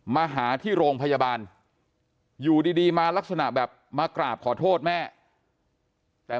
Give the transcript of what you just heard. มาหาที่โรงพยาบาลอยู่ดีมาลักษณะแบบมากราบขอโทษแม่แต่